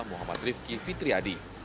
muhammad rifki fitri adi